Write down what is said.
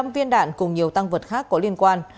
một mươi năm viên đạn cùng nhiều tăng vật khác có liên quan